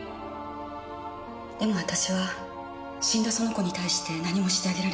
でも私は死んだその子に対して何もしてあげられない。